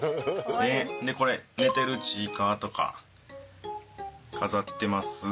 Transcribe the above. でこれ寝てるちいかわとか飾ってます。